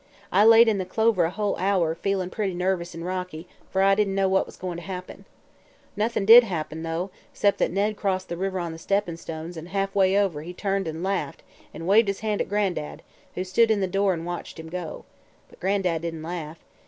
I laid in the clover a whole hour, feelin' pretty nervous an' rocky, fer I didn't know what was goin' to happen. Noth'n' did happen, though, 'cept that Ned crossed the river on the steppin' stones an' halfway over he turned an' laughed an' waved his hand at Gran'dad, who stood in the door an' watched him go. But Gran'dad didn't laugh.